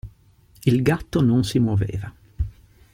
Il gatto non si muoveva.